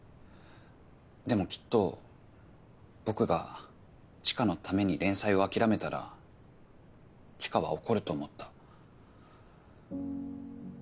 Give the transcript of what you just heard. でもきっと僕が知花のために連載を諦めたら知花は怒ると思った。